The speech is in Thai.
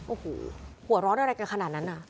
โอ้โหหัวร้อนอะไรกันขนาดนั้นน่ะ